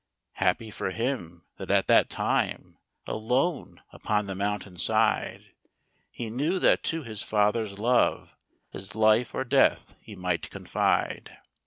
Happy for him that at that time, Alone upon the mountain side, He knew that to his Father's love, His life or death he might confide.